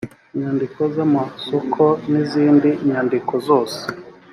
inyandiko z amasoko n izindi nyandiko zose